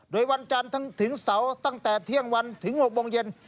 โดยวันจันทร์ถึงเสาร์ตั้งแต่เที่ยงวันถึง๖โมงเย็น